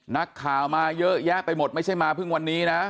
นักข่าวมาเยอะแยะไปหมดไม่ใช่มาเพิ่งวันนี้นะ